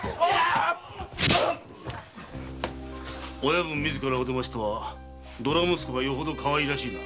親分自らお出ましとはドラ息子がよほどかわいいらしいな。